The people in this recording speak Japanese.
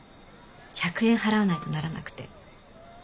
１００円払わないとならなくて。